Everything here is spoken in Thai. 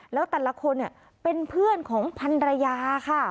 แล้วแต่ละคนเป็นเพื่อนของพันรยาค่ะ